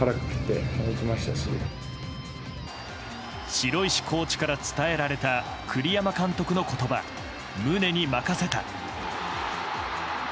城石コーチから伝えられた栗山監督の言葉、ムネに任せた。